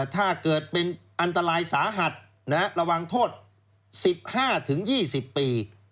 ถ้าเกิดเป็นอันตรายสาหัสระวังโทษ๑๕๒๐ปี